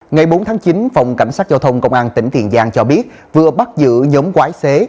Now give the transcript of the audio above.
ngày bốn tháng chín phòng cảnh sát giao thông công an tỉnh tiền giang cho biết vừa bắt giữ nhóm quái xế